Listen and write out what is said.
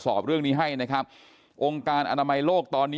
ก็คือเป็นการสร้างภูมิต้านทานหมู่ทั่วโลกด้วยค่ะ